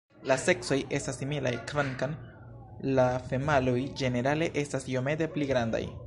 La seksoj estas similaj kvankam la femaloj ĝenerale estas iomete pli grandaj.